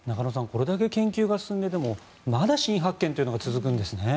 これだけ研究が進んでいてもまだ新発見というのが続くんですね。